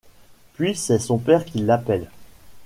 Puis c’est son père qui l’appelle.